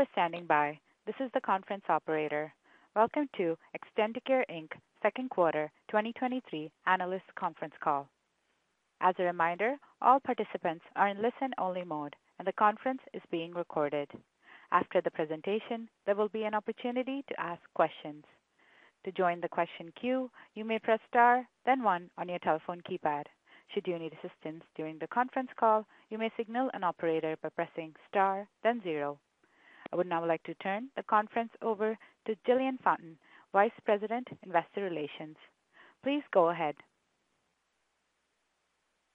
Thank you for standing by. This is the conference operator. Welcome to Extendicare, Inc.'s Second Quarter 2023 Analyst Conference Call. As a reminder, all participants are in listen-only mode, and the conference is being recorded. After the presentation, there will be an opportunity to ask questions. To join the question queue, you may press star, then one on your telephone keypad. Should you need assistance during the conference call, you may signal an operator by pressing star, then zero. I would now like to turn the conference over to Jillian Fountain, Vice President, Investor Relations. Please go ahead.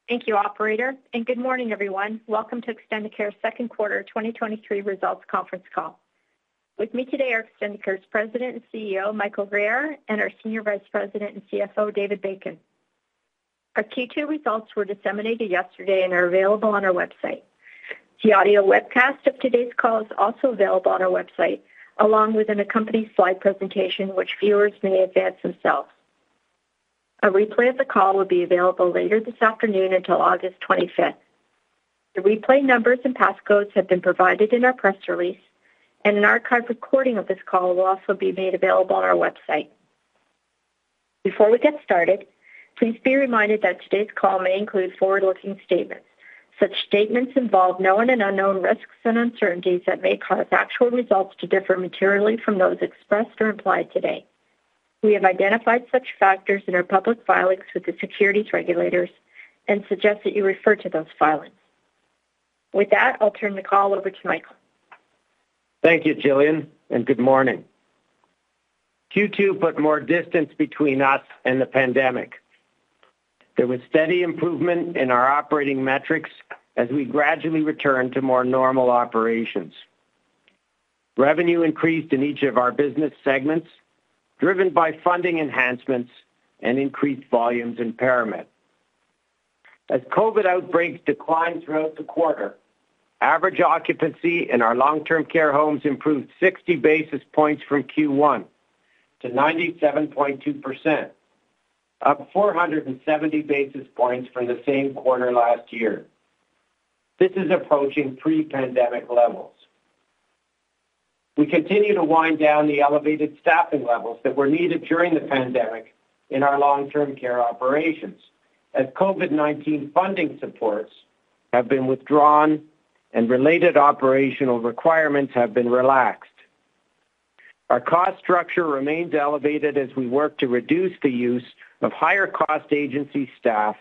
Thank you, operator. Good morning, everyone. Welcome to Extendicare Second Quarter 2023 Results Conference Call. With me today are Extendicare's President and CEO, Michael Guerriere, and our Senior Vice President and CFO, David Bacon. Our Q2 results were disseminated yesterday and are available on our website. The audio webcast of today's call is also available on our website, along with an accompanied slide presentation, which viewers may advance themselves. A replay of the call will be available later this afternoon until August 25th. The replay numbers and passcodes have been provided in our press release. An archived recording of this call will also be made available on our website. Before we get started, please be reminded that today's call may include forward-looking statements. Such statements involve known and unknown risks and uncertainties that may cause actual results to differ materially from those expressed or implied today. We have identified such factors in our public filings with the securities regulators and suggest that you refer to those filings. With that, I'll turn the call over to Michael. Thank you, Jillian, and good morning. Q2 put more distance between us and the pandemic. There was steady improvement in our operating metrics as we gradually returned to more normal operations. Revenue increased in each of our business segments, driven by funding enhancements and increased volumes in ParaMed. As COVID outbreaks declined throughout the quarter, average occupancy in our Long-Term Care homes improved 60 basis points from Q1 to 97.2%, up 470 basis points from the same quarter last year. This is approaching pre-pandemic levels. We continue to wind down the elevated staffing levels that were needed during the pandemic in our Long-Term Care operations, as COVID-19 funding supports have been withdrawn and related operational requirements have been relaxed. Our cost structure remains elevated as we work to reduce the use of higher-cost agency staff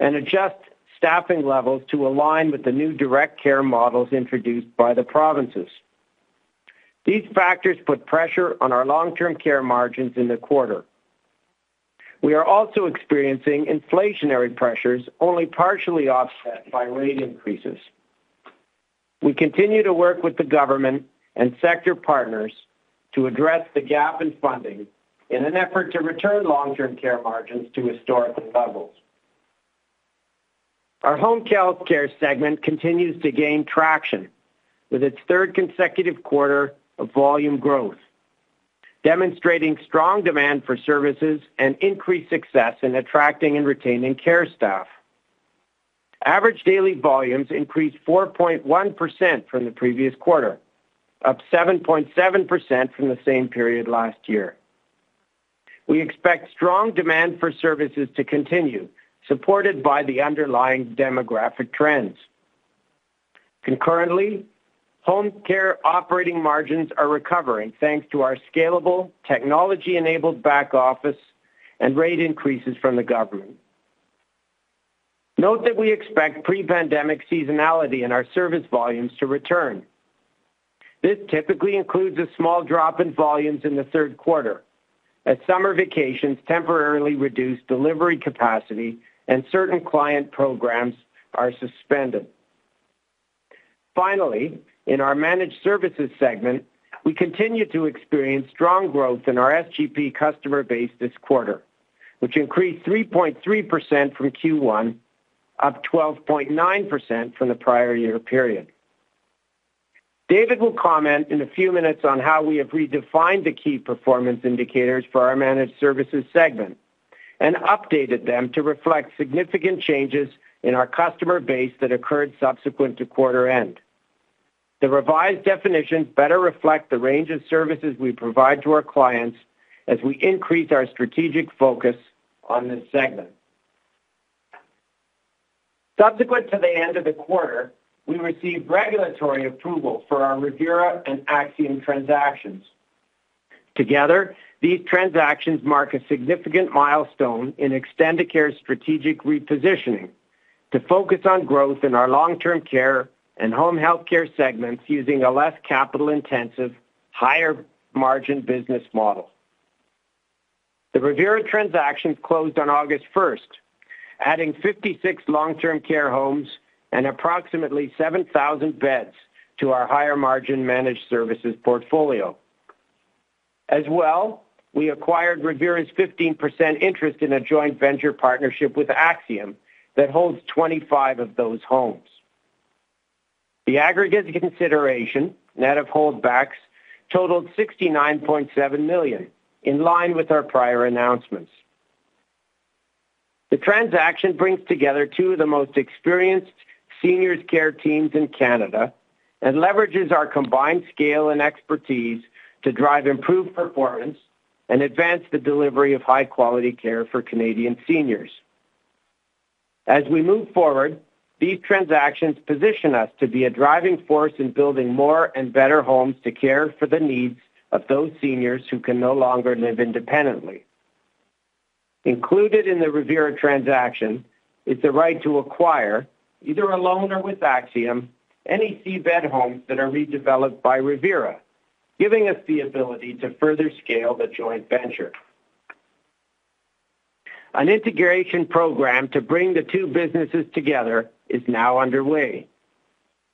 and adjust staffing levels to align with the new direct care models introduced by the provinces. These factors put pressure on our Long-Term Care margins in the quarter. We are also experiencing inflationary pressures, only partially offset by rate increases. We continue to work with the government and sector partners to address the gap in funding in an effort to return Long-Term Care margins to historical levels. Our Home Health Care segment continues to gain traction with its third consecutive quarter of volume growth, demonstrating strong demand for services and increased success in attracting and retaining care staff. Average daily volumes increased 4.1% from the previous quarter, up 7.7% from the same period last year. We expect strong demand for services to continue, supported by the underlying demographic trends. Concurrently, home care operating margins are recovering, thanks to our scalable, technology-enabled back office and rate increases from the government. Note that we expect pre-pandemic seasonality in our service volumes to return. This typically includes a small drop in volumes in the third quarter as summer vacations temporarily reduce delivery capacity and certain client programs are suspended. Finally, in our Managed Services segment, we continue to experience strong growth in our SGP customer base this quarter, which increased 3.3% from Q1, up 12.9% from the prior year period. David will comment in a few minutes on how we have redefined the key performance indicators for our Managed Services segment and updated them to reflect significant changes in our customer base that occurred subsequent to quarter end. The revised definitions better reflect the range of services we provide to our clients as we increase our strategic focus on this segment. Subsequent to the end of the quarter, we received regulatory approval for our Revera and Axium transactions. Together, these transactions mark a significant milestone in Extendicare's strategic repositioning to focus on growth in our Long-Term Care and Home Health Care segments, using a less capital-intensive, higher-margin business model. The Revera transactions closed on August 1st, adding 56 Long-Term Care homes and approximately 7,000 beds to our higher-margin Managed Services portfolio. As well, we acquired Revera's 15% interest in a joint venture partnership with Axium that holds 25 of those homes. The aggregate consideration, net of holdbacks, totaled 69.7 million, in line with our prior announcements. The transaction brings together two of the most experienced seniors care teams in Canada and leverages our combined scale and expertise to drive improved performance and advance the delivery of high-quality care for Canadian seniors. As we move forward, these transactions position us to be a driving force in building more and better homes to care for the needs of those seniors who can no longer live independently. Included in the Revera transaction is the right to acquire, either alone or with Axium, any C-bed homes that are redeveloped by Revera, giving us the ability to further scale the joint venture. An integration program to bring the two businesses together is now underway.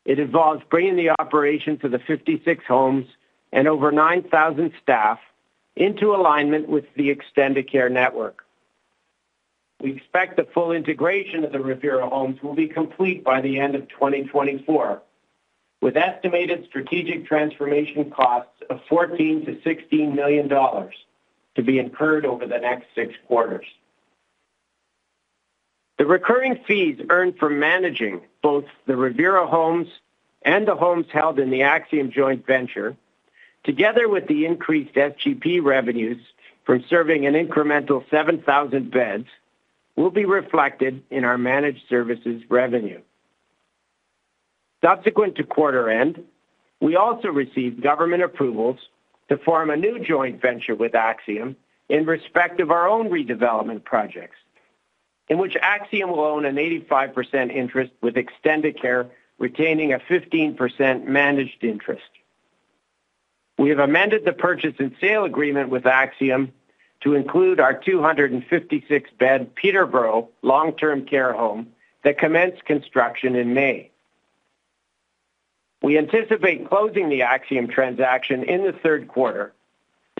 It involves bringing the operations of the 56 homes and over 9,000 staff into alignment with the Extendicare network. We expect the full integration of the Revera homes will be complete by the end of 2024, with estimated strategic transformation costs of 14 million-16 million dollars to be incurred over the next six quarters. The recurring fees earned from managing both the Revera homes and the homes held in the Axium joint venture, together with the increased SGP revenues from serving an incremental 7,000 beds, will be reflected in our Managed Services revenue. Subsequent to quarter end, we also received government approvals to form a new joint venture with Axium in respect of our own redevelopment projects, in which Axium will own an 85% interest, with Extendicare retaining a 15% managed interest. We have amended the purchase and sale agreement with Axium to include our 256-bed Peterborough Long-Term Care home that commenced construction in May. We anticipate closing the Axium transaction in the third quarter,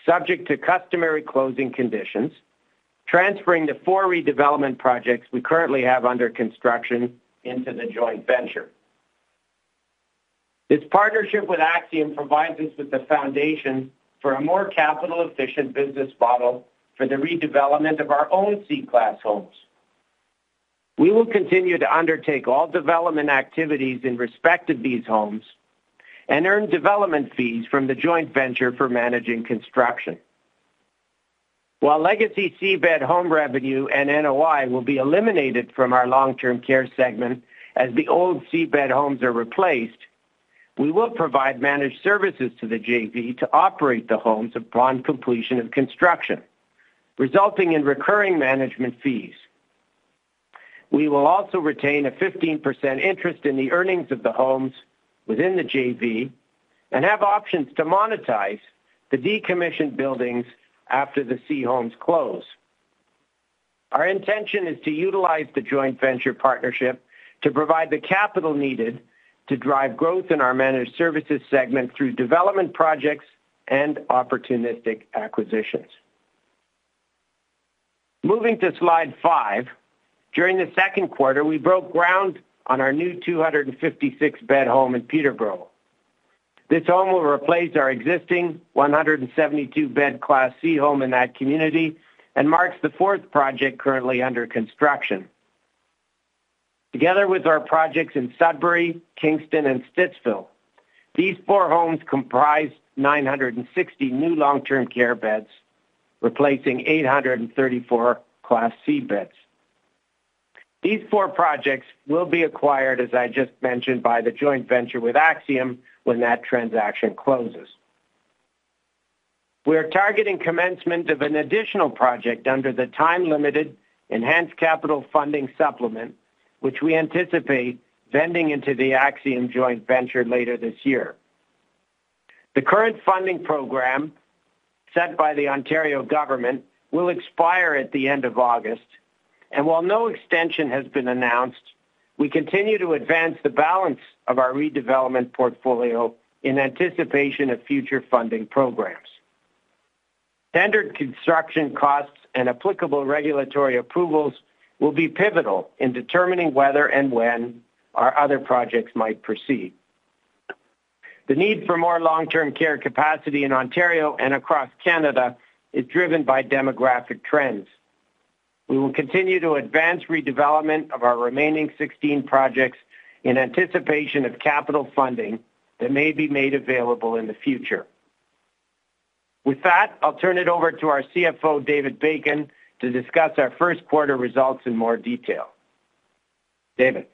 subject to customary closing conditions, transferring the four redevelopment projects we currently have under construction into the joint venture. This partnership with Axium provides us with the foundation for a more capital-efficient business model for the redevelopment of our own C-class homes. We will continue to undertake all development activities in respect of these homes and earn development fees from the joint venture for managing construction. While legacy C-bed home revenue and NOI will be eliminated from our Long-Term Care segment as the old C-bed homes are replaced, we will provide Managed Services to the JV to operate the homes upon completion of construction, resulting in recurring management fees. We will also retain a 15% interest in the earnings of the homes within the JV and have options to monetize the decommissioned buildings after the C homes close. Our intention is to utilize the joint venture partnership to provide the capital needed to drive growth in our Managed Services segment through development projects and opportunistic acquisitions. Moving to slide five, during the second quarter, we broke ground on our new 256-bed home in Peterborough. This home will replace our existing 172-bed Class C home in that community and marks the fourth project currently under construction. Together with our projects in Sudbury, Kingston, and Stittsville, these four homes comprise 960 new Long-Term Care beds, replacing 834 Class C beds. These four projects will be acquired, as I just mentioned, by the joint venture with Axium when that transaction closes. We are targeting commencement of an additional project under the time-limited enhanced capital funding supplement, which we anticipate vending into the Axium joint venture later this year. The current funding program set by the Ontario government will expire at the end of August, and while no extension has been announced, we continue to advance the balance of our redevelopment portfolio in anticipation of future funding programs. Standard construction costs and applicable regulatory approvals will be pivotal in determining whether and when our other projects might proceed. The need for more Long-Term Care capacity in Ontario and across Canada is driven by demographic trends. We will continue to advance redevelopment of our remaining 16 projects in anticipation of capital funding that may be made available in the future. With that, I'll turn it over to our CFO, David Bacon, to discuss our first quarter results in more detail. David?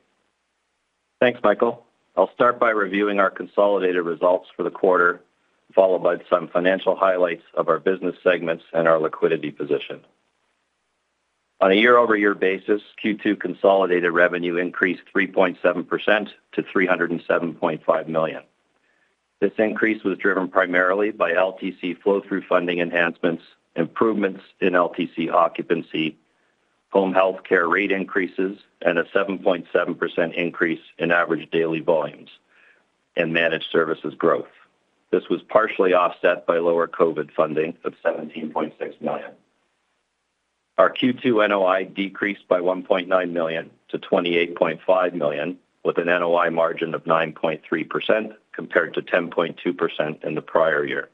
Thanks, Michael. I'll start by reviewing our consolidated results for the quarter, followed by some financial highlights of our business segments and our liquidity position. On a year-over-year basis, Q2 consolidated revenue increased 3.7% to 307.5 million. This increase was driven primarily by LTC flow-through funding enhancements, improvements in LTC occupancy, home healthcare rate increases, and a 7.7% increase in average daily volumes and Managed Services growth. This was partially offset by lower COVID funding of 17.6 million. Our Q2 NOI decreased by 1.9 million to 28.5 million, with an NOI margin of 9.3%, compared to 10.2% in the prior year.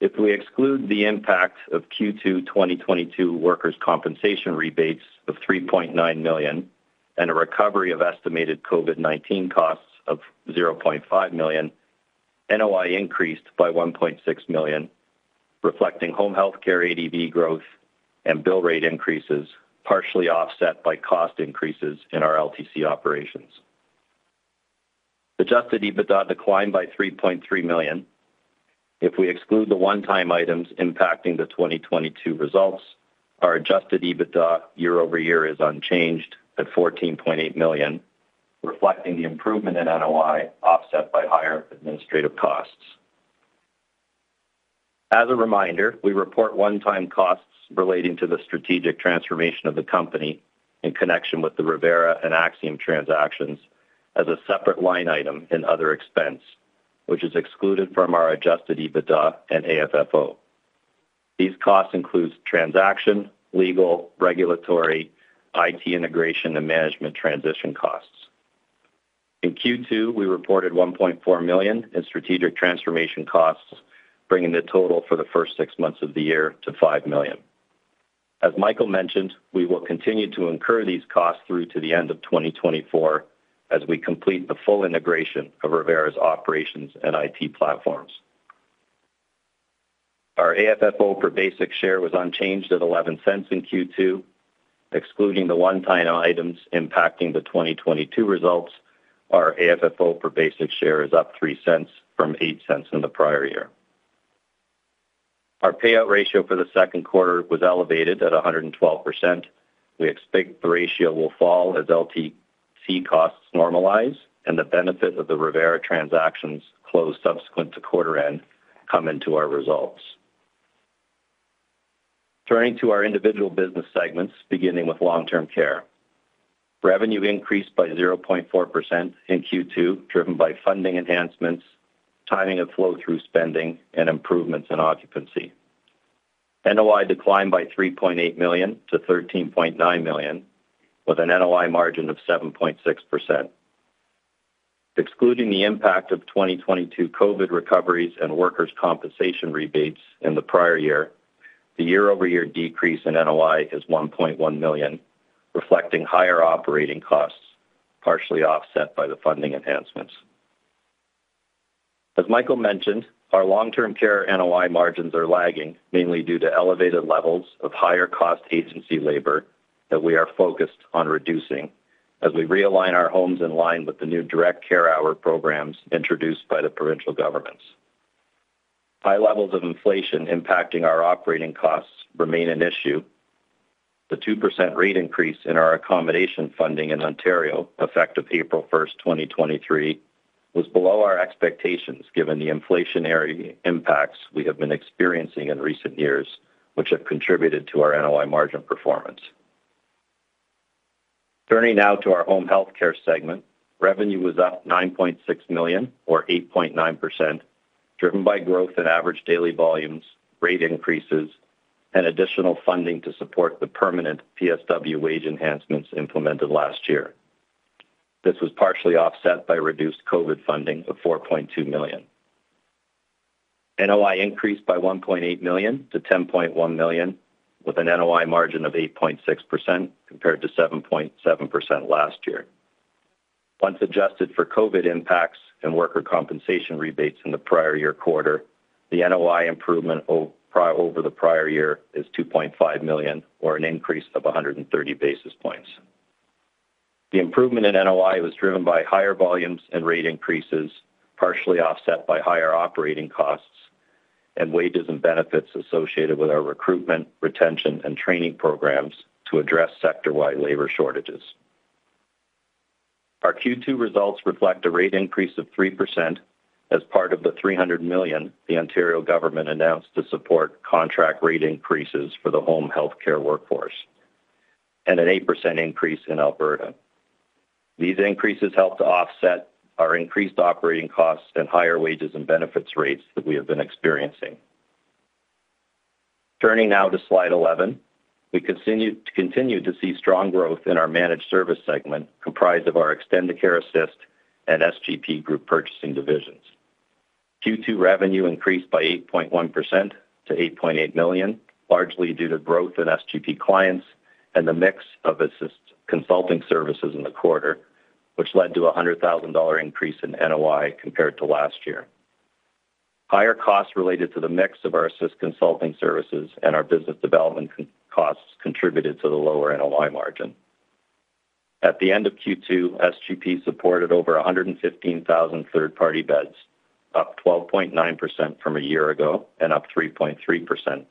If we exclude the impact of Q2 2022 workers' compensation rebates of 3.9 million and a recovery of estimated COVID-19 costs of 0.5 million, NOI increased by 1.6 million, reflecting Home Health Care ADV growth and bill rate increases, partially offset by cost increases in our LTC operations. Adjusted EBITDA declined by 3.3 million. If we exclude the one-time items impacting the 2022 results, our adjusted EBITDA year-over-year is unchanged at 14.8 million, reflecting the improvement in NOI, offset by higher administrative costs. As a reminder, we report one-time costs relating to the strategic transformation of the company in connection with the Revera and Axium transactions as a separate line item in other expense, which is excluded from our adjusted EBITDA and AFFO. These costs includes transaction, legal, regulatory, IT integration, and management transition costs. In Q2, we reported 1.4 million in strategic transformation costs, bringing the total for the first six months of the year to 5 million. As Michael mentioned, we will continue to incur these costs through to the end of 2024 as we complete the full integration of Revera's operations and IT platforms. Our AFFO per basic share was unchanged at 0.11 in Q2. Excluding the one-time items impacting the 2022 results, our AFFO per basic share is up 0.03 from 0.08 in the prior year. Our payout ratio for the second quarter was elevated at 112%. We expect the ratio will fall as LTC costs normalize and the benefit of the Revera transactions closed subsequent to quarter end come into our results. Turning to our individual business segments, beginning with Long-Term Care. Revenue increased by 0.4% in Q2, driven by funding enhancements, timing of flow through spending, and improvements in occupancy. NOI declined by 3.8 million to 13.9 million, with an NOI margin of 7.6%. Excluding the impact of 2022 COVID recoveries and workers' compensation rebates in the prior year, the year-over-year decrease in NOI is 1.1 million, reflecting higher operating costs, partially offset by the funding enhancements. As Michael mentioned, our Long-Term Care NOI margins are lagging, mainly due to elevated levels of higher cost agency labor that we are focused on reducing as we realign our homes in line with the new direct care hour programs introduced by the provincial governments. High levels of inflation impacting our operating costs remain an issue. The 2% rate increase in our accommodation funding in Ontario, effective April 1, 2023, was below our expectations, given the inflationary impacts we have been experiencing in recent years, which have contributed to our NOI margin performance. Turning now to our Home Health Care segment. Revenue was up 9.6 million or 8.9%, driven by growth in average daily volumes, rate increases, and additional funding to support the permanent PSW wage enhancements implemented last year. This was partially offset by reduced COVID funding of 4.2 million. NOI increased by 1.8 million to 10.1 million, with an NOI margin of 8.6%, compared to 7.7% last year. Once adjusted for COVID impacts and worker compensation rebates in the prior year quarter, the NOI improvement over the prior year is 2.5 million, or an increase of 130 basis points. The improvement in NOI was driven by higher volumes and rate increases, partially offset by higher operating costs and wages and benefits associated with our recruitment, retention, and training programs to address sector-wide labor shortages. Our Q2 results reflect a rate increase of 3% as part of the 300 million the Ontario government announced to support contract rate increases for the Home Health Care workforce, and an 8% increase in Alberta. These increases helped to offset our increased operating costs and higher wages and benefits rates that we have been experiencing. Turning now to slide 11. We continue to see strong growth in our managed service segment, comprised of our Extendicare Assist and SGP group purchasing divisions. Q2 revenue increased by 8.1% to $8.8 million, largely due to growth in SGP clients and the mix of Assist consulting services in the quarter, which led to a $100,000 increase in NOI compared to last year. Higher costs related to the mix of our Assist consulting services and our business development costs contributed to the lower NOI margin. At the end of Q2, SGP supported over 115,000 third-party beds, up 12.9% from a year ago and up 3.3%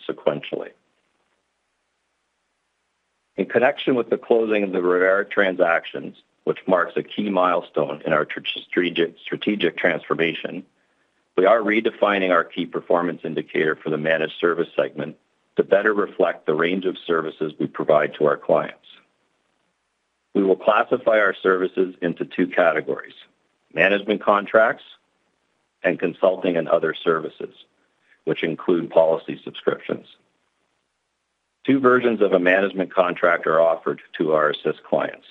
sequentially. In connection with the closing of the Revera transactions, which marks a key milestone in our strategic, strategic transformation, we are redefining our key performance indicator for the managed service segment to better reflect the range of services we provide to our clients. We will classify our services into two categories: management contracts and consulting and other services, which include policy subscriptions. Two versions of a management contract are offered to our Assist clients.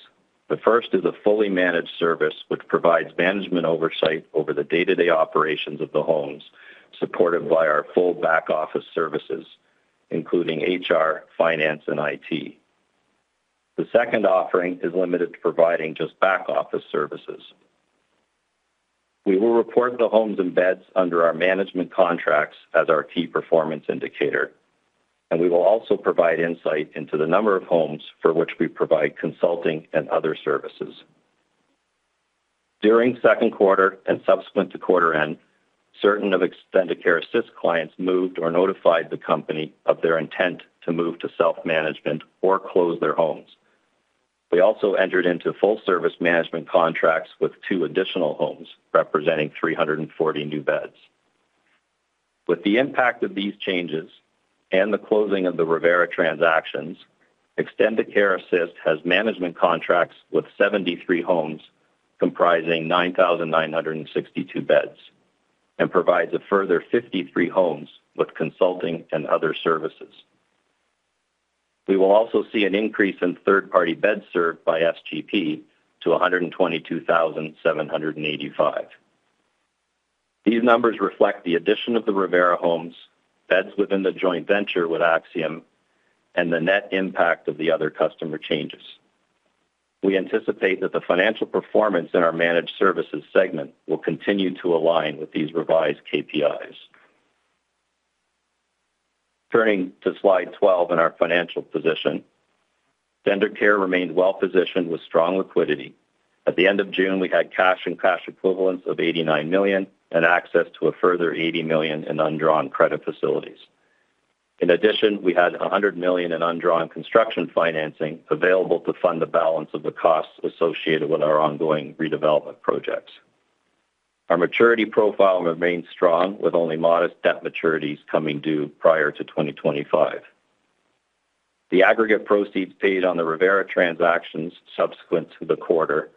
The first is a fully managed service, which provides management oversight over the day-to-day operations of the homes, supported by our full back-office services, including HR, finance, and IT. The second offering is limited to providing just back-office services. We will report the homes and beds under our management contracts as our key performance indicator, and we will also provide insight into the number of homes for which we provide consulting and other services. During second quarter and subsequent to quarter end, certain of Extendicare Assist clients moved or notified the company of their intent to move to self-management or close their homes. We also entered into full service management contracts with two additional homes, representing 340 new beds. With the impact of these changes and the closing of the Revera transactions, Extendicare Assist has management contracts with 73 homes, comprising 9,962 beds, and provides a further 53 homes with consulting and other services. We will also see an increase in third-party beds served by SGP to 122,785. These numbers reflect the addition of the Revera homes, beds within the JV with Axium, and the net impact of the other customer changes. We anticipate that the financial performance in our Managed Services segment will continue to align with these revised KPIs. Turning to slide 12 and our financial position. Extendicare remained well positioned with strong liquidity. At the end of June, we had cash and cash equivalents of 89 million and access to a further 80 million in undrawn credit facilities. In addition, we had 100 million in undrawn construction financing available to fund the balance of the costs associated with our ongoing redevelopment projects. Our maturity profile remains strong, with only modest debt maturities coming due prior to 2025. The aggregate proceeds paid on the Revera transactions subsequent to the quarter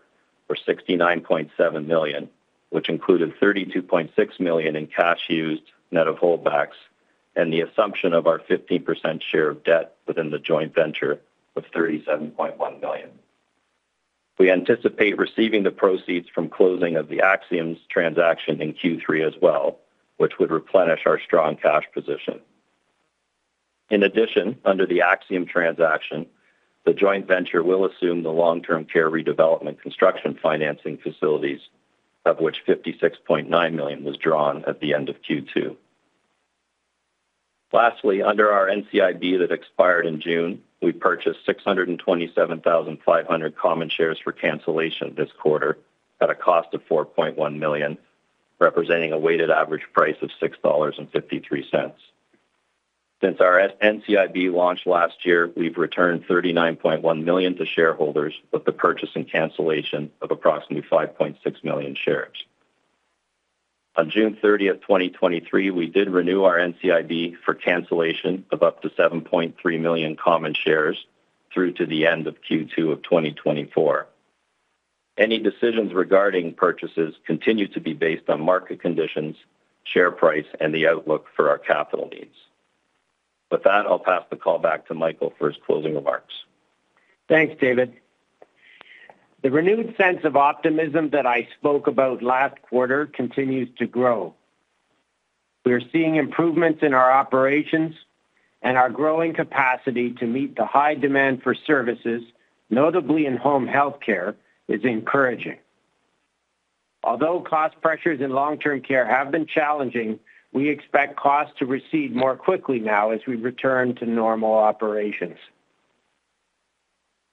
were 69.7 million, which included 32.6 million in cash used, net of holdbacks, and the assumption of our 15% share of debt within the joint venture of 37.1 million. We anticipate receiving the proceeds from closing of the Axium's transaction in Q3 as well, which would replenish our strong cash position. Under the Axium transaction, the joint venture will assume the Long-Term Care redevelopment construction financing facilities, of which 56.9 million was drawn at the end of Q2. Under our NCIB that expired in June, we purchased 627,500 common shares for cancellation this quarter at a cost of 4.1 million, representing a weighted average price of 6.53 dollars. Since our NCIB launch last year, we've returned 39.1 million to shareholders, with the purchase and cancellation of approximately 5.6 million shares. On June 30th, 2023, we did renew our NCIB for cancellation of up to 7.3 million common shares through to the end of Q2 of 2024. Any decisions regarding purchases continue to be based on market conditions, share price, and the outlook for our capital needs. With that, I'll pass the call back to Michael for his closing remarks. Thanks, David. The renewed sense of optimism that I spoke about last quarter continues to grow. We are seeing improvements in our operations, and our growing capacity to meet the high demand for services, notably in Home Health Care, is encouraging. Although cost pressures in Long-Term Care have been challenging, we expect costs to recede more quickly now as we return to normal operations.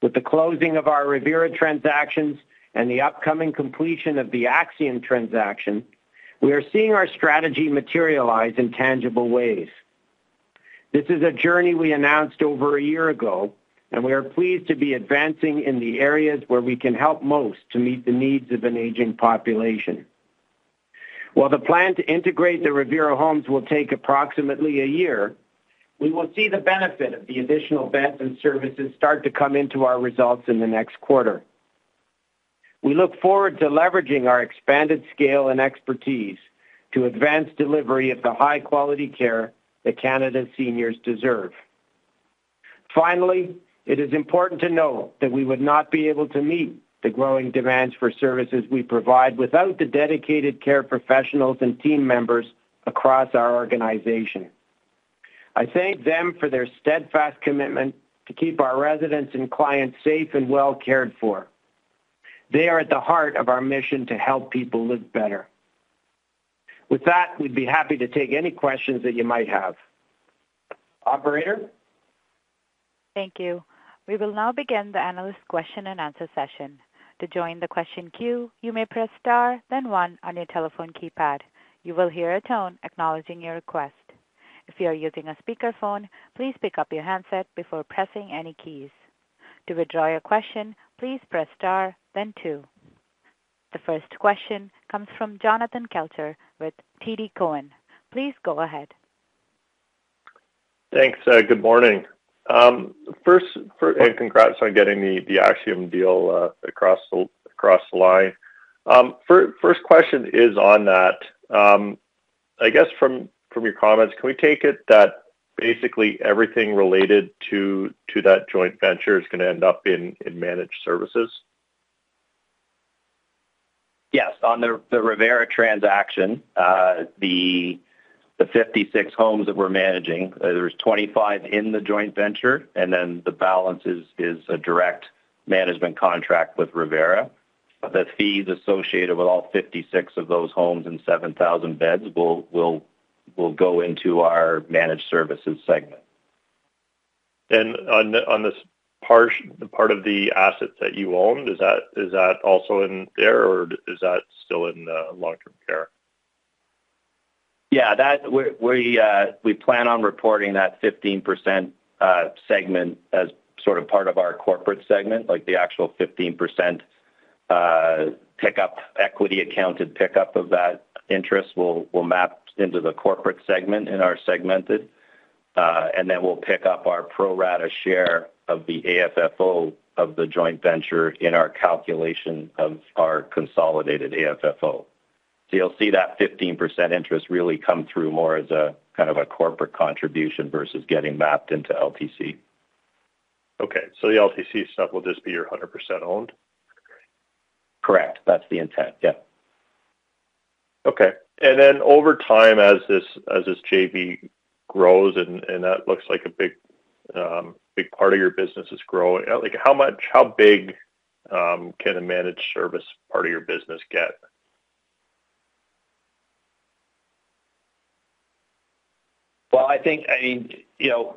With the closing of our Revera transactions and the upcoming completion of the Axium transaction, we are seeing our strategy materialize in tangible ways. This is a journey we announced over a year ago, and we are pleased to be advancing in the areas where we can help most to meet the needs of an aging population. While the plan to integrate the Revera homes will take approximately a year, we will see the benefit of the additional beds and services start to come into our results in the next quarter. We look forward to leveraging our expanded scale and expertise to advance delivery of the high-quality care that Canada's seniors deserve. Finally, it is important to note that we would not be able to meet the growing demands for services we provide without the dedicated care professionals and team members across our organization. I thank them for their steadfast commitment to keep our residents and clients safe and well cared for. They are at the heart of our mission to help people live better. With that, we'd be happy to take any questions that you might have. Operator? Thank you. We will now begin the analyst question-and-answer session. To join the question queue, you may press star, then one on your telephone keypad. You will hear a tone acknowledging your request. If you are using a speakerphone, please pick up your handset before pressing any keys. To withdraw your question, please press star, then two. The first question comes from Jonathan Kelcher with TD Cowen. Please go ahead. Thanks, good morning. First, and congrats on getting the, the Axium deal, across the, across the line. First question is on that. I guess from your comments, can we take it that basically everything related to that joint venture is gonna end up in Managed Services? Yes. On the, the Revera transaction, the, the 56 homes that we're managing, there's 25 in the joint venture, and then the balance is, is a direct management contract with Revera. The fees associated with all 56 of those homes and 7,000 beds will, will, will go into our Managed Services segment. On the-- on this part, the part of the assets that you own, is that, is that also in there, or is that still in, Long-Term Care? That we plan on reporting that 15% segment as sort of part of our Corporate segment, like the actual 15% pickup, equity accounted pickup of that interest will, will map into the Corporate segment in our segmented. Then we'll pick up our pro rata share of the AFFO of the joint venture in our calculation of our consolidated AFFO. You'll see that 15% interest really come through more as a kind of a Corporate contribution vs getting mapped into LTC. Okay. The LTC stuff will just be your 100% owned? Correct. That's the intent. Yeah. Okay. Then over time, as this, as this JV grows, and, and that looks like a big, big part of your business is growing. Like, how much-- how big, can a managed service part of your business get? I think, you know,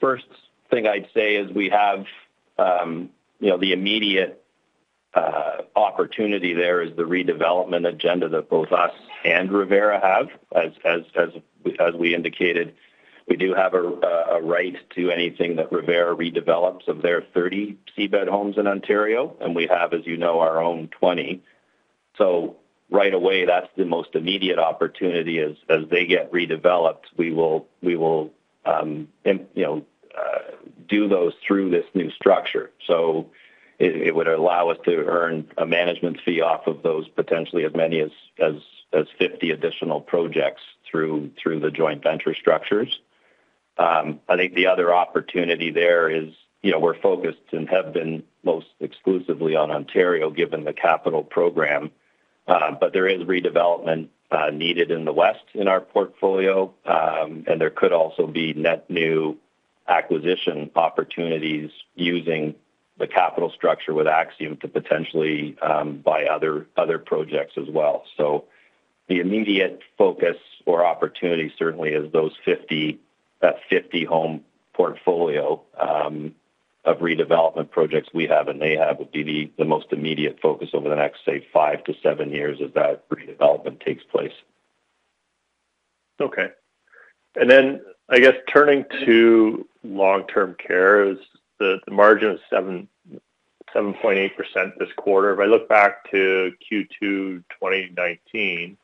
first thing I'd say is we have, you know, the immediate opportunity there is the redevelopment agenda that both us and Revera have. As, as, as, as we indicated, we do have a right to anything that Revera redevelops of their 30 C-bed homes in Ontario, and we have, as you know, our own 20. Right away, that's the most immediate opportunity as, as they get redeveloped, we will, we will, you know, do those through this new structure. It, it would allow us to earn a management fee off of those, potentially as many as, as, as 50 additional projects through, through the joint venture structures. I think the other opportunity there is, you know, we're focused and have been most exclusively on Ontario, given the capital program, but there is redevelopment needed in the West in our portfolio. There could also be net new acquisition opportunities using the capital structure with Axium to potentially buy other, other projects as well. The immediate focus or opportunity certainly is that 50-home portfolio of redevelopment projects we have and they have, would be the, the most immediate focus over the next, say, five to seven years as that redevelopment takes place. Okay. Then, I guess turning to Long-Term Care, the margin of 7.8% this quarter. If I look back to Q2 2019,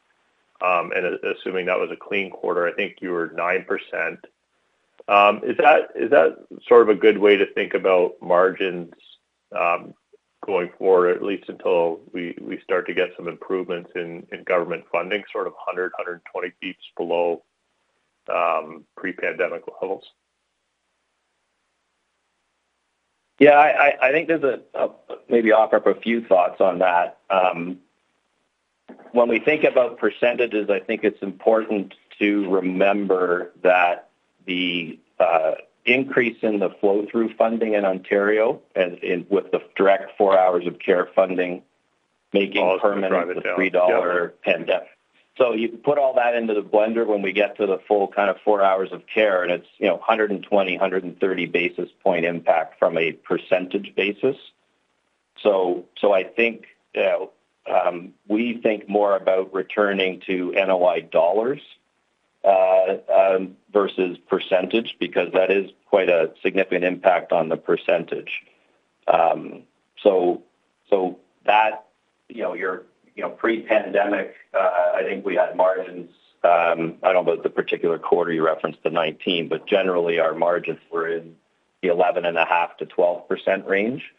assuming that was a clean quarter, I think you were 9%. Is that sort of a good way to think about margins, going forward, at least until we start to get some improvements in government funding, sort of 100-120 beeps below pre-pandemic levels? Yeah, I think there's a, maybe offer up a few thoughts on that. When we think about %s, I think it's important to remember that the increase in the flow-through funding in Ontario, and in with the direct four hours of care funding, making permanent the 3 million dollar pandemic. You put all that into the blender when we get to the full kind of four hours of care, and it's, you know, a 120, 130 basis point impact from a % basis. I think, we think more about returning to NOI dollars vs %, because that is quite a significant impact on the %. So that, you know, your, you know, pre-pandemic, I think we had margins, I don't know about the particular quarter you referenced the 19, but generally, our margins were in the 11.5%-12% range.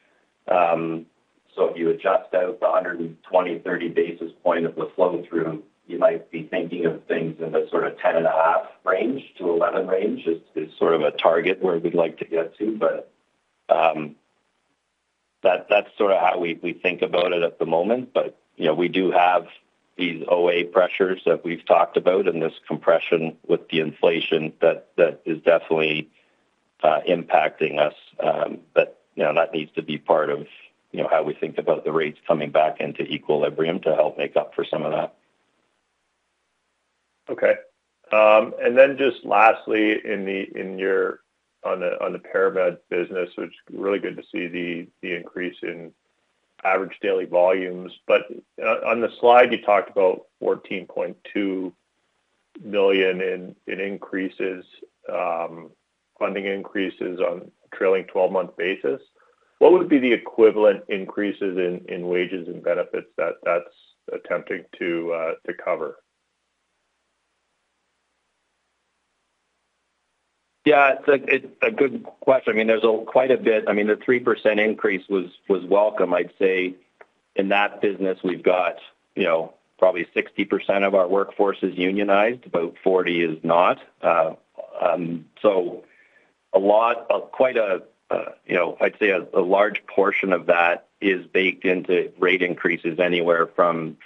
If you adjust out the 120-30 basis point of the flow-through, you might be thinking of things in the sort of 10.5%-11% range, is, is sort of a target where we'd like to get to. That's, that's sort of how we, we think about it at the moment. You know, we do have these OA pressures that we've talked about and this compression with the inflation, that, that is definitely impacting us. You know, that needs to be part of, you know, how we think about the rates coming back into equilibrium to help make up for some of that. Okay. Just lastly, in the-- in your, on the, on the ParaMed business, it's really good to see the, the increase in average daily volumes. On the slide, you talked about 14.2 million in, in increases, funding increases on a trailing 12-month basis. What would be the equivalent increases in, in wages and benefits that that's attempting to, to cover? Yeah, it's a good question. I mean, there's quite a bit, I mean, the 3% increase was welcome. I'd say in that business, we've got, you know, probably 60% of our workforce is unionized, about 40 is not. Quite, you know, I'd say a large portion of that is baked into rate increases anywhere from,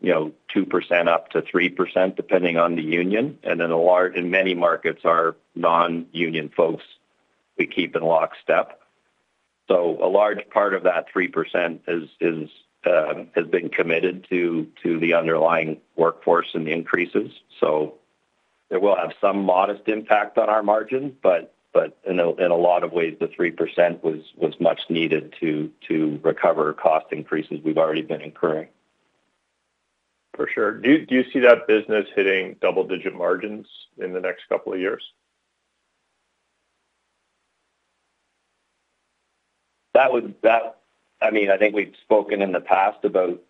you know, 2% up to 3%, depending on the union. In many markets, our non-union folks, we keep in lockstep. A large part of that 3% is, has been committed to, to the underlying workforce and the increases. It will have some modest impact on our margin, but, but in a, in a lot of ways, the 3% was, was much needed to, to recover cost increases we've already been incurring. For sure. Do you, do you see that business hitting double-digit margins in the next couple of years? That would, I mean, I think we've spoken in the past about,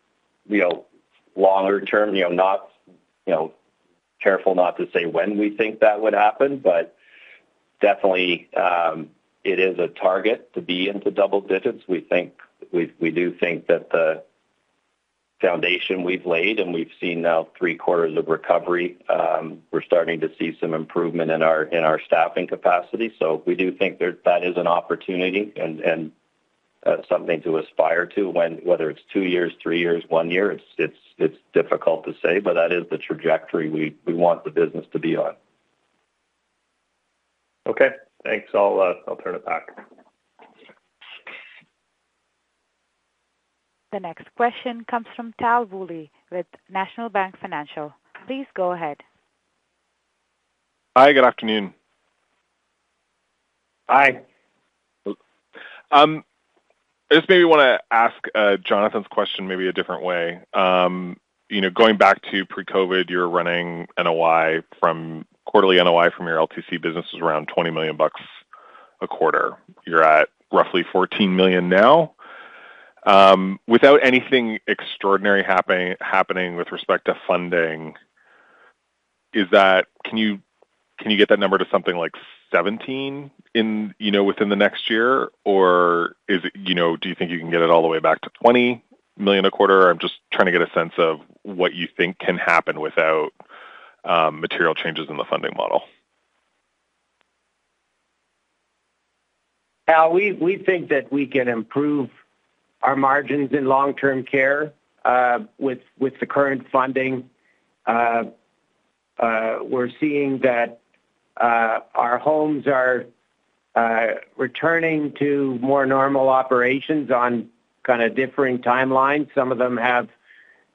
you know, longer term, you know, not, you know, careful not to say when we think that would happen, but definitely, it is a target to be into double digits. We do think that the foundation we've laid, and we've seen now three quarters of recovery, we're starting to see some improvement in our, in our staffing capacity. We do think that that is an opportunity and, and, something to aspire to when whether it's two years, three years, one year, it's, it's, it's difficult to say, but that is the trajectory we, we want the business to be on. Okay, thanks. I'll, I'll turn it back. The next question comes from Tal Woolley with National Bank Financial. Please go ahead. Hi, good afternoon. Hi. I just maybe wanna ask Jonathan's question maybe a different way. You know, going back to pre-COVID, you're running NOI from-- quarterly NOI from your LTC business is around 20 million bucks a quarter. You're at roughly 14 million now. Without anything extraordinary happening, happening with respect to funding, can you, can you get that number to something like 17 million in, you know, within the next year? Is it, you know, do you think you can get it all the way back to 20 million a quarter? I'm just trying to get a sense of what you think can happen without material changes in the funding model. Al, we, we think that we can improve our margins in Long-Term Care, with, with the current funding. We're seeing that our homes are returning to more normal operations on kinda differing timelines. Some of them have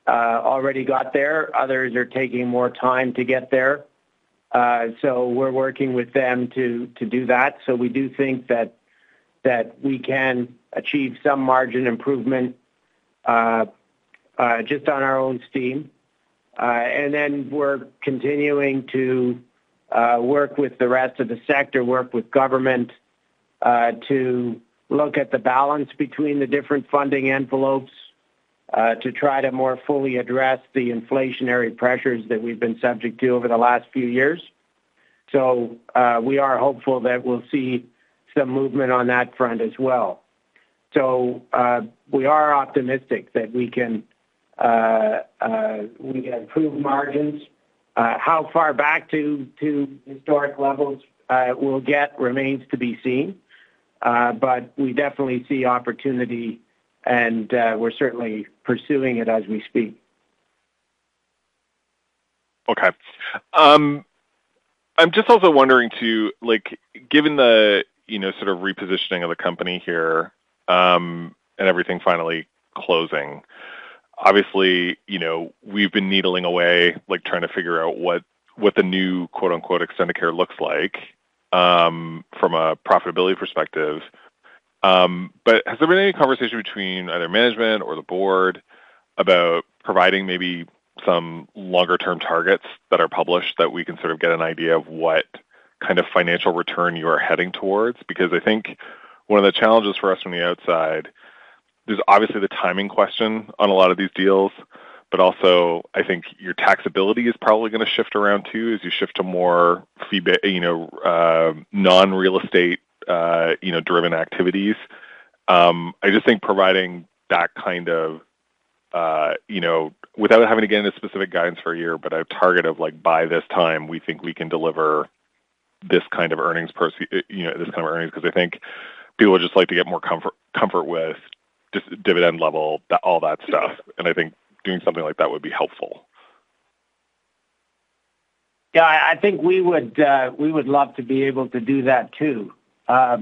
already got there, others are taking more time to get there. We're working with them to, to do that. We do think that, that we can achieve some margin improvement, just on our own steam. We're continuing to work with the rest of the sector, work with government, to look at the balance between the different funding envelopes, to try to more fully address the inflationary pressures that we've been subject to over the last few years. We are hopeful that we'll see some movement on that front as well. We are optimistic that we can improve margins. How far back to historic levels, we'll get remains to be seen, but we definitely see opportunity, and, we're certainly pursuing it as we speak. Okay. I'm just also wondering, too, like, given the, you know, sort of repositioning of the company here, and everything finally closing. Obviously, you know, we've been needling away, like, trying to figure out what, what the new, quote-unquote, Extendicare looks like, from a profitability perspective. Has there been any conversation between either management or the board about providing maybe some longer-term targets that are published, that we can sort of get an idea of what kind of financial return you are heading towards? Because I think one of the challenges for us from the outside, there's obviously the timing question on a lot of these deals, but also, I think your taxability is probably gonna shift around, too, as you shift to more fee-ba-- you know, non-real estate, you know, driven activities. I just think providing that kind of, you know, without having to get into specific guidance for a year, but a target of like, by this time, we think we can deliver this kind of earnings per, you know, this kind of earnings. I think people would just like to get more comfort, comfort with just dividend level, all that stuff, and I think doing something like that would be helpful. Yeah, I think we would, we would love to be able to do that, too. I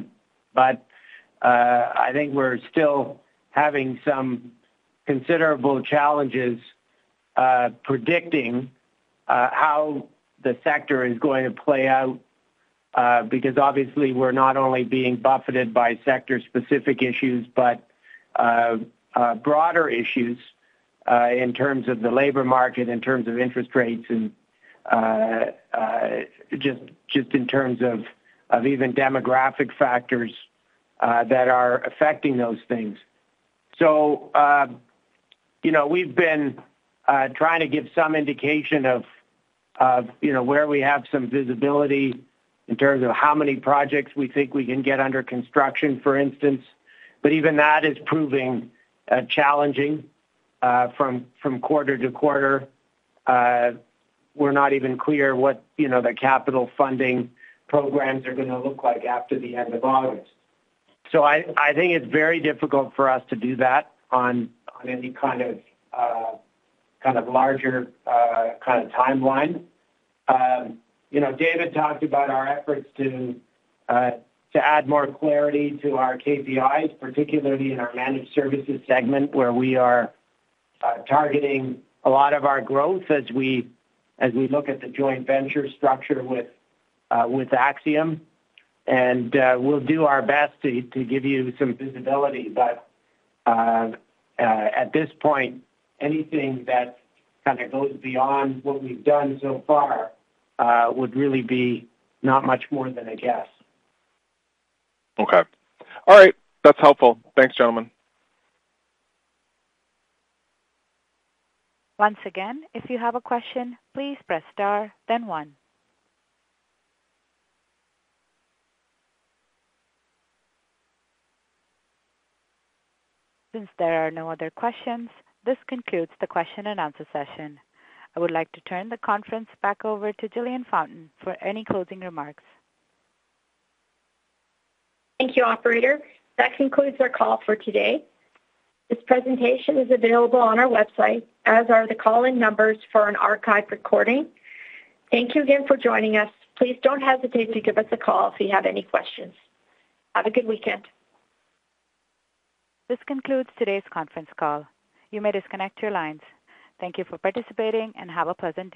think we're still having some considerable challenges predicting how the sector is going to play out because obviously, we're not only being buffeted by sector-specific issues, but broader issues in terms of the labor market, in terms of interest rates, and just, just in terms of, of even demographic factors that are affecting those things. You know, we've been trying to give some indication of, of, you know, where we have some visibility in terms of how many projects we think we can get under construction, for instance. Even that is proving challenging from quarter to quarter. We're not even clear what, you know, the capital funding programs are gonna look like after the end of August. I, I think it's very difficult for us to do that on, on any kind of, kind of larger, kind of timeline. You know, David talked about our efforts to add more clarity to our KPIs, particularly in our Managed Services segment, where we are targeting a lot of our growth as we, as we look at the joint venture structure with Axium. We'll do our best to, to give you some visibility, but, at this point, anything that kind of goes beyond what we've done so far, would really be not much more than a guess. Okay. All right. That's helpful. Thanks, gentlemen. Once again, if you have a question, please press star, then one. Since there are no other questions, this concludes the question-and-answer session. I would like to turn the conference back over to Jillian Fountain for any closing remarks. Thank you, operator. That concludes our call for today. This presentation is available on our website, as are the call-in numbers for an archive recording. Thank you again for joining us. Please don't hesitate to give us a call if you have any questions. Have a good weekend. This concludes today's conference call. You may disconnect your lines. Thank you for participating, and have a pleasant day.